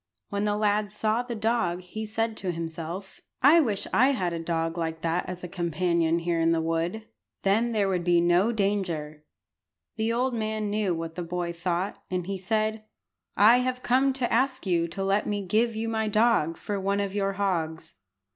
When the lad saw the dog he said to himself "I wish I had a dog like that as a companion here in the wood. Then there would be no danger." The old man knew what the boy thought, and he said "I have come to ask you to let me give you my dog for one of your hogs."